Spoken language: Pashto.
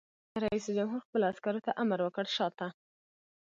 رئیس جمهور خپلو عسکرو ته امر وکړ؛ شاته!